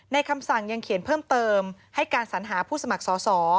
คำสั่งยังเขียนเพิ่มเติมให้การสัญหาผู้สมัครสอสอ